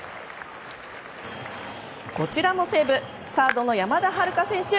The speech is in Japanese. こちらも西武サードの山田遥楓選手。